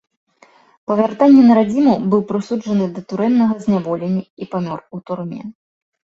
Па вяртанні на радзіму быў прысуджаны да турэмнага зняволення і памёр у турме.